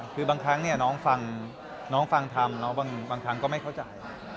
คือบางครั้งน้องฟังธรรมบางครั้งก็ไม่เข้าใจ